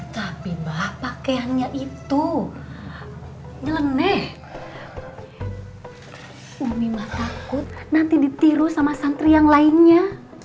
tapi bapak pakaiannya itu leneh umi mah takut nanti ditiru sama santri yang lainnya